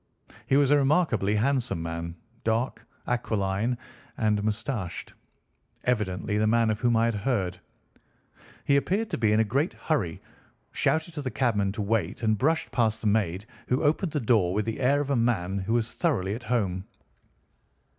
He was a remarkably handsome man, dark, aquiline, and moustached—evidently the man of whom I had heard. He appeared to be in a great hurry, shouted to the cabman to wait, and brushed past the maid who opened the door with the air of a man who was thoroughly at home.